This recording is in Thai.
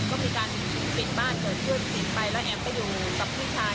ก็มีการปิดบ้านเถิดชื่นสินไป